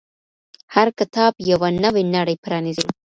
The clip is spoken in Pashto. هر کتاب یوه نوې نړۍ پرانیزي.